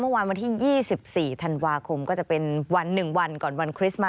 เมื่อวานวันที่๒๔ธันวาคมก็จะเป็นวันหนึ่งวันก่อนวันคริสต์มัส